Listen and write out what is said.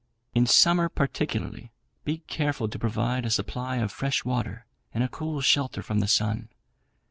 "In summer, particularly, be careful to provide a supply of fresh water and a cool shelter from the sun.